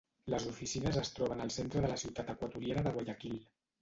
Les oficines es troben al centre de la ciutat equatoriana de Guayaquil.